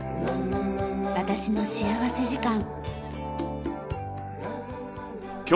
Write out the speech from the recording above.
『私の幸福時間』。